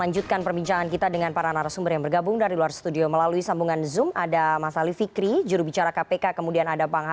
segera kembali usai jeda jangan kemana mana